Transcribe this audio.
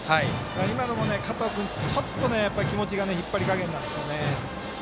今のも加藤君、ちょっと気持ちが引っ張り加減なんですよね。